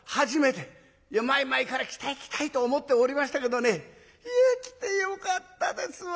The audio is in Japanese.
いや前々から来たい来たいと思っておりましたけどねいや来てよかったですわ！